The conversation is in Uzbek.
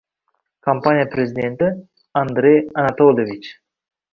kompaniya prezidenti — Andrey Anatoliyevich.